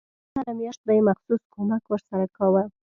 هره میاشت به یې مخصوص کمک ورسره کاوه.